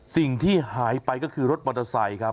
สิ่งที่หายไปก็คือรถมอเตอร์ไซค์ครับ